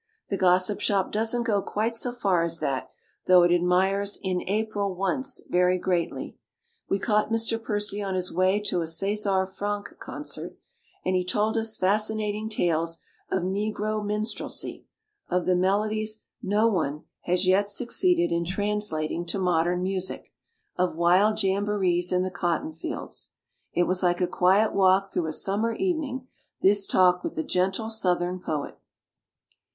The Gossip Shop doesn't go quite so far as that, though it admires "In April Once" very greatly. We caught Mr. Percy on his way to a C6sar Franck concert, and he told us fasci nating tales of negro minstrelsy, of the melodies no one has yet succeeded in translating to modem music, of wild jamborees in the cotton fields. It was like a quiet walk through a sum mer evening, this talk with the gentle southern poet.